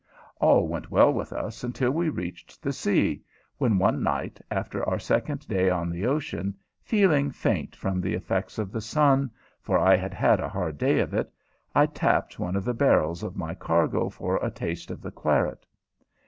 All went well with us until we reached the sea, when one night, after our second day on the ocean, feeling faint from the effects of the sun, for I had had a hard day of it, I tapped one of the barrels of my cargo for a taste of the claret.